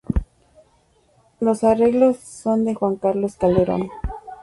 Los arreglos son de Juan Carlos Calderón.